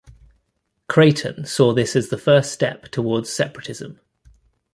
Creighton saw this as the first steps towards separatism.